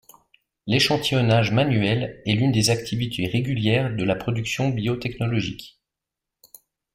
L'échantillonnage manuel est l'une des activités régulières de la production biotechnologique.